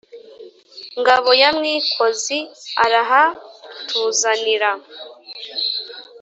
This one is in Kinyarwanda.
ngabo ya mwikozi arahatuzanira.